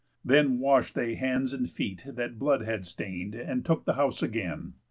Then wash'd they hands and feet that blood had stain'd, And took the house again.